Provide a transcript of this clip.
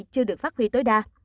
chưa được phát huy tối đa